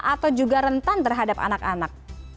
atau juga rentan terhadap anak anak